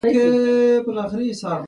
ژبه د لوړ فهم نښه ده